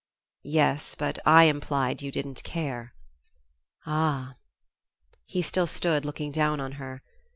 "Yes, but I implied you didn't care." "Ah!" He still stood looking down on her.